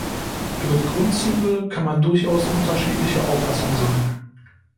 Über die Grundzüge kann man durchaus unterschiedlicher Auffassung sein.